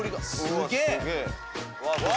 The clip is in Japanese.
すげえ！わ！